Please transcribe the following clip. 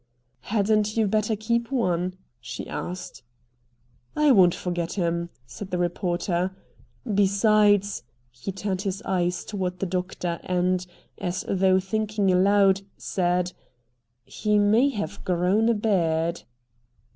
"Hadn't you better keep one?" she asked. "I won't forget him," said the reporter. "Besides" he turned his eyes toward the doctor and, as though thinking aloud, said "he may have grown a beard."